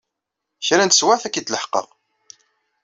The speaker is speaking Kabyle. Kra n teswiɛt ad k-id-leḥqeɣ.